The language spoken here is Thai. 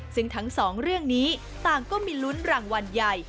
ซึ่งทั้งสองเรื่องนี้ต่างก็มีลุ้นรางวัลใหญ่